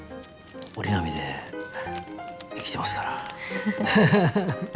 折り紙で生きてますから。